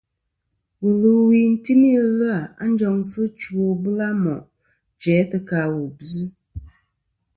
Wulwi timi ɨ̀lvɨ-a njoŋsɨ chwò bula mo' jæ tɨ ka wu bvɨ.